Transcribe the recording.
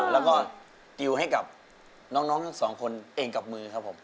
แล้วก็กิวให้กับน้องทั้งสองคนเองกับมือครับผม